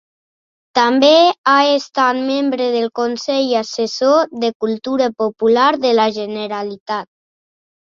També ha estat membre del Consell Assessor de Cultura Popular de la Generalitat.